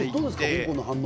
香港の反応